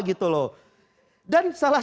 gitu loh dan salah